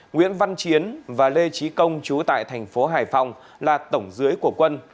nguyễn văn chiến và lê trí công chú tại tp hải phòng là tổng dưới của quân